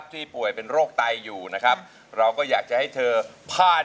แต่เป็นเมียฝรั่งอีกทีนะครับ